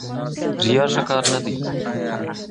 ریا ښه کار نه دی.